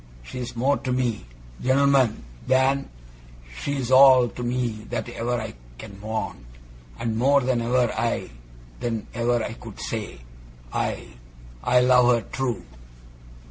She's more to me gent'lmen than she's all to me that ever I can want, and more than ever I than ever I could say. I I love her true.